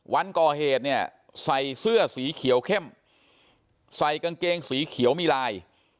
วันก่อเหตุเนี่ยใส่เสื้อสีเขียวเข้มใส่กางเกงสีเขียวมีลาย